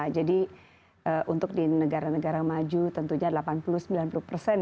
jadi untuk di negara negara maju tentunya delapan puluh sembilan puluh persen